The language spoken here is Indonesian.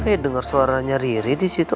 gue kayak denger suaranya riri di situ